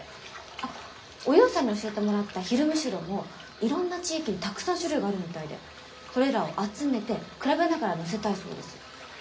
あっおゆうさんに教えてもらったヒルムシロもいろんな地域にたくさん種類があるみたいでそれらを集めて比べながら載せたいそうです。